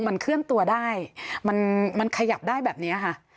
มันเคลื่อนตัวได้มันขยับได้แบบนี้ค่ะ